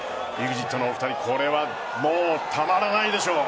ＥＸＩＴのお二人これはもうたまらないでしょう。